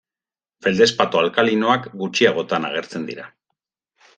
Feldespato alkalinoak gutxiagotan agertzen dira.